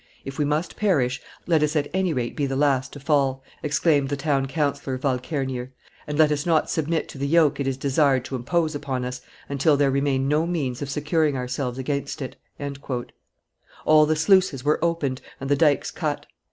If we must perish, let us at any rate be the last to fall," exclaimed the town councillor Walkernier, "and let us not submit to the yoke it is desired to impose upon us until there remain no means of securing ourselves against it." All the sluices were opened and the dikes cut.